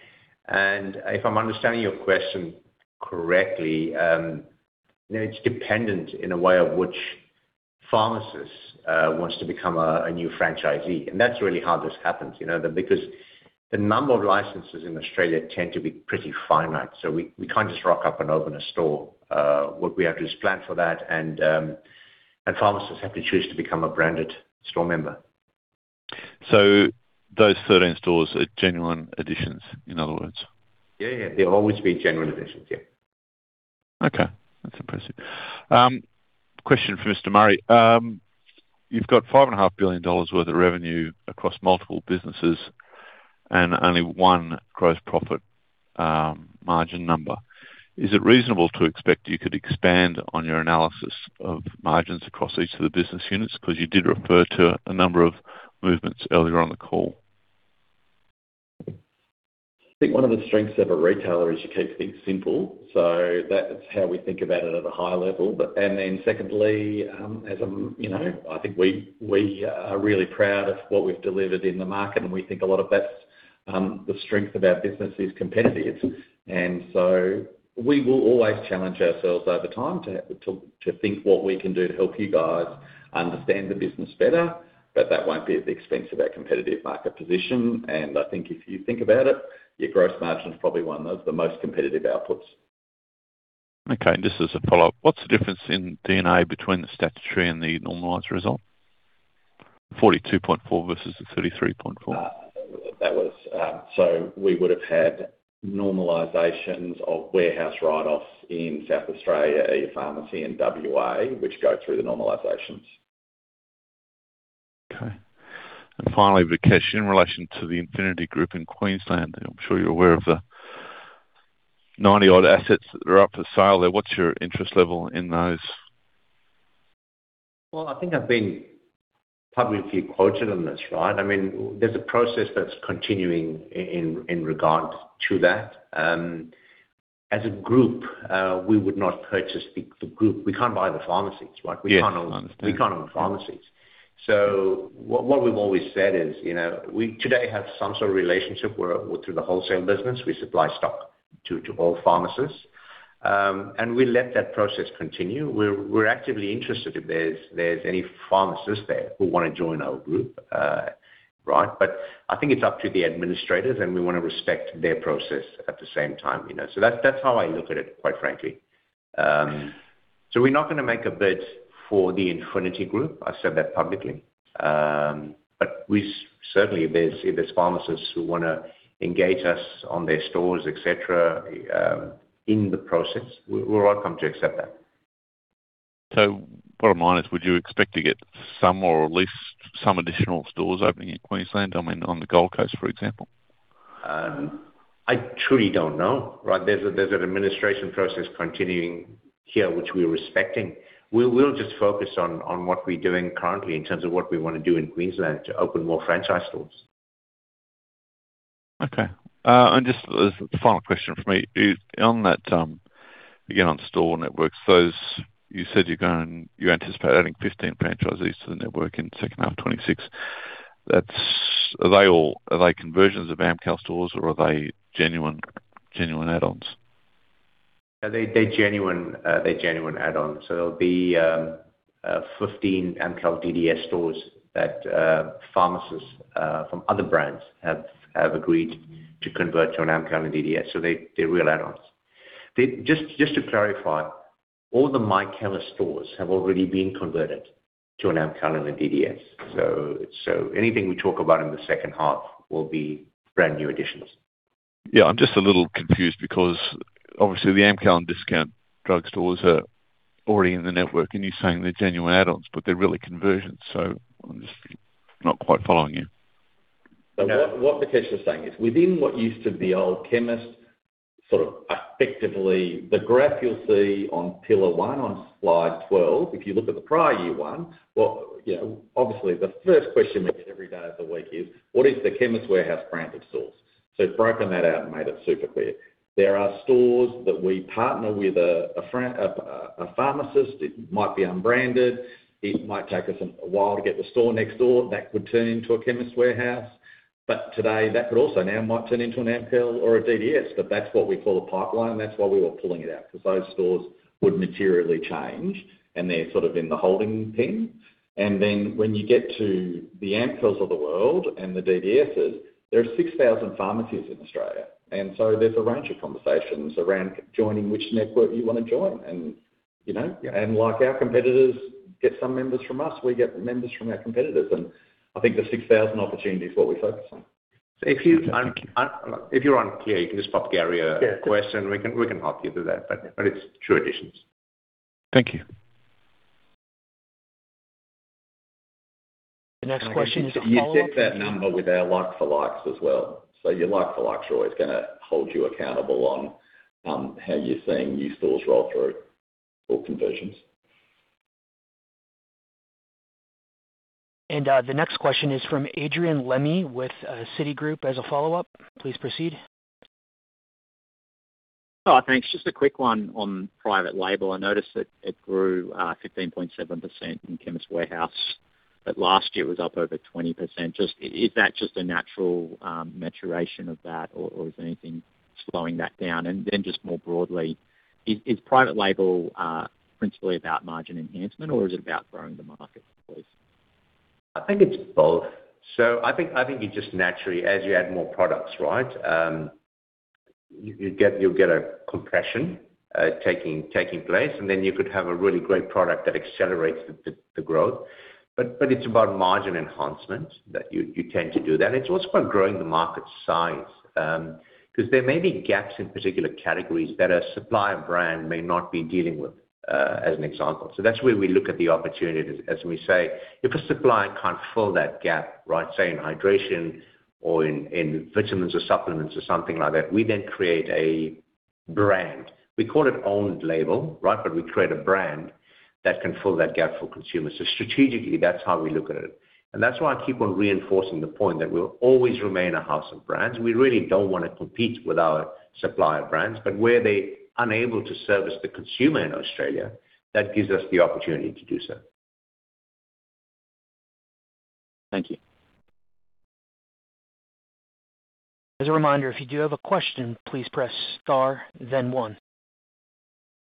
If I'm understanding your question correctly, you know, it's dependent in a way of which pharmacist wants to become a new franchisee, and that's really how this happens, you know, because the number of licenses in Australia tend to be pretty finite, so we can't just rock up and open a store. What we have to do is plan for that, and pharmacists have to choose to become a branded store member. Those 13 stores are genuine additions, in other words? Yeah, yeah, they'll always be genuine additions. Yeah. Okay, that's impressive. Question for Mr. Murray. You've got five and a half billion dollars worth of revenue across multiple businesses and only one gross profit margin number. Is it reasonable to expect you could expand on your analysis of margins across each of the business units? You did refer to a number of movements earlier on the call. I think one of the strengths of a retailer is you keep things simple, so that's how we think about it at a high level. Then secondly, as a, you know, I think we are really proud of what we've delivered in the market, and we think a lot of that's the strength of our business is competitive. We will always challenge ourselves over time to think what we can do to help you guys understand the business better, but that won't be at the expense of our competitive market position. I think if you think about it, your gross margin is probably one of the most competitive outputs. Okay, just as a follow-up, what's the difference in DNA between the statutory and the normalized result? 42.4 versus the 33.4. That was normalizations of warehouse write-offs in South Australia, ePharmacy and WA, which go through the normalizations. Okay. Finally, Vikesh, in relation to The Infinity Group in Queensland, I'm sure you're aware of the 90-odd assets that are up for sale there. What's your interest level in those? Well, I think I've been publicly quoted on this, right? I mean, there's a process that's continuing in regard to that. As a group, we would not purchase the group. We can't buy the pharmacies, right? Yes, I understand. We can't own the pharmacies. What we've always said is, you know, we today have some sort of relationship where, through the wholesale business, we supply stock to all pharmacists, and we let that process continue. We're actively interested if there's any pharmacists there who wanna join our group, right? I think it's up to the administrators, and we wanna respect their process at the same time, you know. That's how I look at it, quite frankly. We're not gonna make a bid for The Infinity Group. I've said that publicly. We certainly, if there's pharmacists who wanna engage us on their stores, et cetera, in the process, we're welcome to accept that. Bottom line is, would you expect to get some or at least some additional stores opening in Queensland, I mean, on the Gold Coast, for example? I truly don't know, right? There's a, there's an administration process continuing here, which we're respecting. We'll just focus on what we're doing currently in terms of what we wanna do in Queensland to open more franchise stores. Just the final question from me is, on that, again, on store networks, those you anticipate adding 15 franchisees to the network in the second half of 2026. Are they all conversions of Amcal stores, or are they genuine add-ons? They're genuine, they're genuine add-ons. There'll be 15 Amcal DDS stores that pharmacists from other brands have agreed to convert to an Amcal and DDS, so they're real add-ons. Just to clarify, all the My Chemist stores have already been converted to an Amcal and a DDS. Anything we talk about in the second half will be brand-new additions.... I'm just a little confused because obviously the Amcal and Discount Drug Stores are already in the network, and you're saying they're genuine add-ons, but they're really conversions, so I'm just not quite following you. What Vikesh is saying is, within what used to be old Chemist Warehouse, sort of effectively, the graph you'll see on pillar one on slide 12, if you look at the prior year 1, well, you know, obviously the first question we get every day of the week is: What is the Chemist Warehouse branded stores? We've broken that out and made it super clear. There are stores that we partner with a pharmacist. It might be unbranded. It might take us a while to get the store next door that would turn into a Chemist Warehouse, but today that could also now might turn into an Amcal or a DDS, but that's what we call a pipeline. That's why we were pulling it out, 'cause those stores would materially change, and they're sort of in the holding pen. Then when you get to the Amcals of the world and the DDSs, there are 6,000 pharmacies in Australia. So there's a range of conversations around joining which network you wanna join, and, you know. Like our competitors get some members from us, we get members from our competitors, and I think the 6,000 opportunity is what we focus on. If you, if you're on clear, you can just pop Gary a question. We can help you through that. It's true additions. Thank you. The next question is- You check that number with our likes for likes as well. Your likes for likes are always gonna hold you accountable on how you're seeing new stores roll through, or conversions. The next question is from Adrian Lemme, with, Citigroup, as a follow-up. Please proceed. Thanks. Just a quick one on private label. I noticed that it grew 15.7% in Chemist Warehouse. Last year was up over 20%. Is that just a natural maturation of that, or is anything slowing that down? Then just more broadly, is private label principally about margin enhancement, or is it about growing the marketplace? I think it's both. I think, I think you just naturally, as you add more products, right, you'll get a compression taking place, and then you could have a really great product that accelerates the growth. It's about margin enhancement that you tend to do that. It's also about growing the market size, 'cause there may be gaps in particular categories that a supplier brand may not be dealing with as an example. That's where we look at the opportunity. As we say, if a supplier can't fill that gap, right, say in hydration or in vitamins or supplements or something like that, we then create a brand. We call it owned label, right? We create a brand that can fill that gap for consumers. Strategically, that's how we look at it. That's why I keep on reinforcing the point that we'll always remain a house of brands. We really don't wanna compete with our supplier brands, but where they're unable to service the consumer in Australia, that gives us the opportunity to do so. Thank you. As a reminder, if you do have a question, please press star, then one.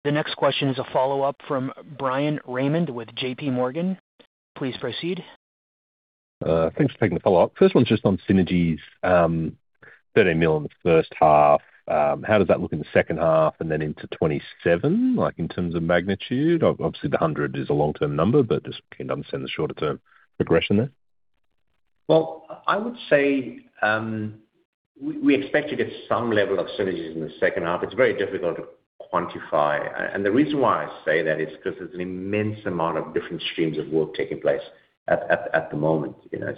The next question is a follow-up from Bryan Raymond with J.P. Morgan. Please proceed. Thanks for taking the follow-up. First one is just on synergies. 30 million in the first half. How does that look in the second half and then into 2027, like, in terms of magnitude? Obviously, the 100 is a long-term number, but just keen to understand the shorter term progression there. Well, I would say, we expect to get some level of synergies in the second half. It's very difficult to quantify. The reason why I say that is because there's an immense amount of different streams of work taking place at the moment, you know?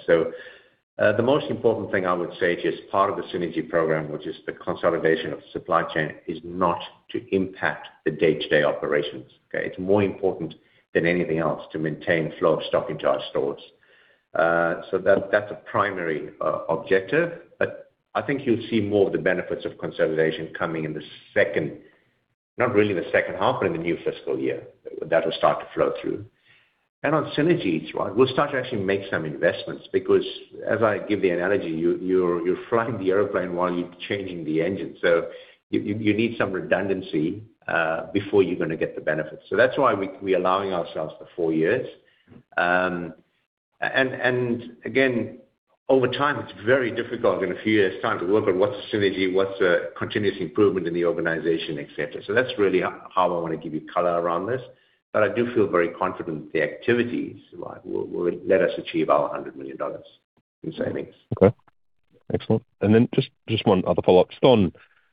The most important thing I would say is part of the synergy program, which is the consolidation of supply chain, is not to impact the day-to-day operations, okay? It's more important than anything else to maintain flow of stock into our stores. That's a primary objective. I think you'll see more of the benefits of consolidation coming in the second half. In the new fiscal year, that will start to flow through. On synergies, right, we'll start to actually make some investments, because as I give the analogy, you're flying the airplane while you're changing the engine. You need some redundancy before you're gonna get the benefits. That's why we are allowing ourselves the four years. Again, over time, it's very difficult in a few years' time to work on what's the synergy, what's the continuous improvement in the organization, et cetera. That's really how I want to give you color around this, but I do feel very confident that the activities, right, will let us achieve our 100 million dollars in savings. Okay, excellent. Just one other follow-up. Just on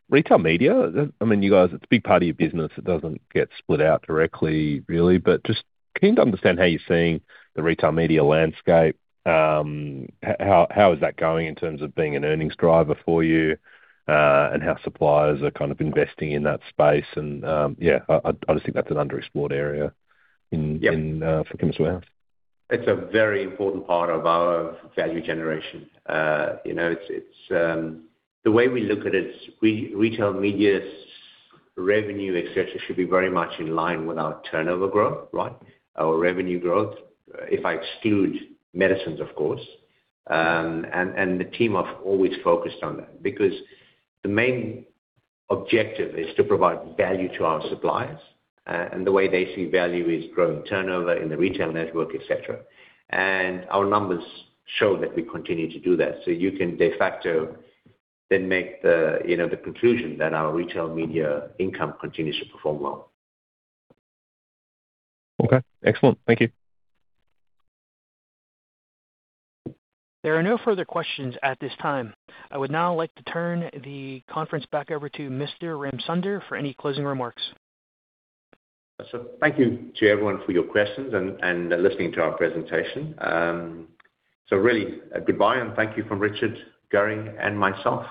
retail media, I mean, you guys, it's a big part of your business. It doesn't get split out directly, really, but just keen to understand how you're seeing the retail media landscape. How is that going in terms of being an earnings driver for you, and how suppliers are kind of investing in that space? Yeah, I just think that's an underexplored area in- Yeah. in, for Chemist Warehouse. It's a very important part of our value generation. you know, it's... The way we look at it, retail media's revenue, et cetera, should be very much in line with our turnover growth, right? Our revenue growth, if I exclude medicines, of course, and the team have always focused on that. The main objective is to provide value to our suppliers, and the way they see value is growing turnover in the retail network, et cetera. Our numbers show that we continue to do that. You can de facto then make the, you know, the conclusion that our retail media income continues to perform well. Okay, excellent. Thank you. There are no further questions at this time. I would now like to turn the conference back over to Mr. Ramsunder for any closing remarks. Thank you to everyone for your questions and listening to our presentation. Really, goodbye, and thank you from Richard, Gary, and myself.